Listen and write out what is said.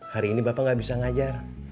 hari ini bapak gak bisa ngajar